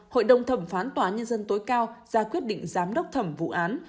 tổng phán tòa án nhân dân tối cao ra quyết định giám đốc thẩm vụ án